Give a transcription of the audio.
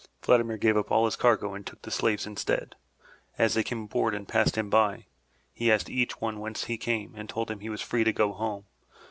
Vladimir gave up all his cargo and took the slaves instead. As they came aboard and passed him by, he asked each one whence he came and told him he was free to go home.